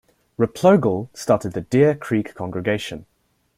Replogle started the Deer Creek congregation.